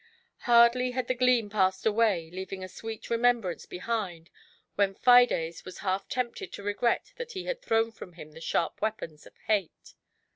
Hardly had the gleam passed away, leaving a sweet remembrance behind, when Fides was half tempted to regret that he had thrown from him the sharp weapons of Hate.